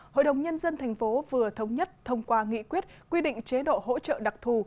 hội đồng nhân dân tp vừa thống nhất thông qua nghị quyết quy định chế độ hỗ trợ đặc thù